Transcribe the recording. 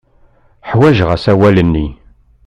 Ḥwajeɣ asawal-nni.